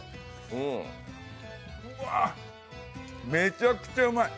うわっ、めちゃくちゃうまい！